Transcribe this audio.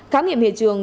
khám nghiệm hiện trường